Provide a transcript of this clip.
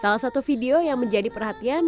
salah satu video yang menjadi perhatian